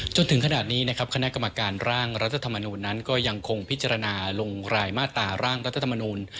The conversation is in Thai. จนถึงขนาดนี้นะครับคณะกรรมการร่างรัฐธรรมนูญนั้นก็ยังคงพิจารณาลงรายมาตราร่างรัฐธรรมนูล